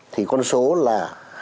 thì con số là hai trăm linh chín